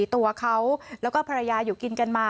ตัวเขาแล้วก็ภรรยาอยู่กินกันมา